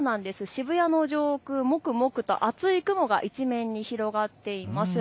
渋谷の上空、もくもくと厚い雲が一面に広がっています。